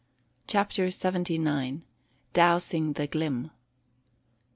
CHAPTER SEVENTY NINE. DOUSING THE GLIM.